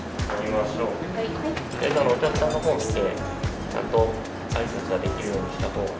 お客さんのほうを見てちゃんと挨拶ができるようにしたほうが。